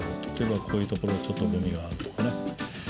例えばこういうところちょっとごみがあるとかね。